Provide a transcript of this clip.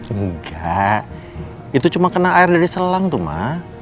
enggak itu cuma kena air dari selang tuh mah